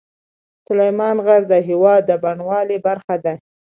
سلیمان غر د هېواد د بڼوالۍ برخه ده.